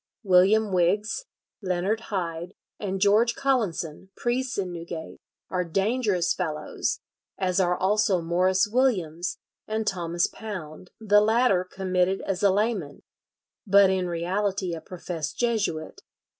William Wigges, Leonard Hide, and George Collinson, priests in Newgate, are dangerous fellows, as are also Morris Williams and Thomas Pounde, the latter committed as a layman, but in reality a professed Jesuit.